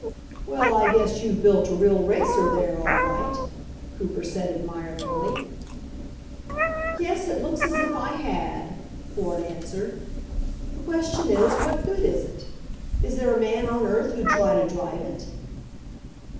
"Well, I guess you've built a real racer there, all right," Cooper said admiringly. "Yes, it looks as if I had," Ford answered. "The question is, what good is it? Is there a man on earth who'd try to drive it?"